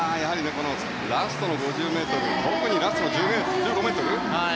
ラストの５０ｍ特にラスト１５ｍ。